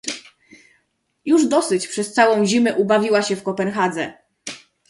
"już dosyć przez całą zimę ubawiła się w Kopenhadze!"